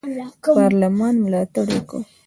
پارلمان ملاتړ یې کاوه.